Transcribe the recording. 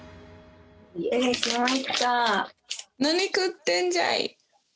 何食ってんじゃい。